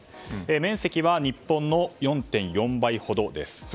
面積は日本の４．４倍ほどです。